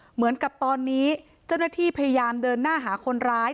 เหมือนกับตอนนี้เจ้าหน้าที่พยายามเดินหน้าหาคนร้าย